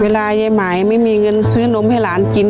ยายหมายไม่มีเงินซื้อนมให้หลานกิน